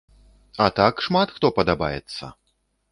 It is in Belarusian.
А так шмат хто падабаецца.